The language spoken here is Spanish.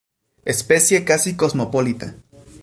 Especie casi cosmopolita.